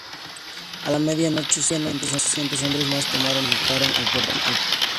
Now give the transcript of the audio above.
A la media noche, seiscientos hombres más tomaron y asaltaron el puerto.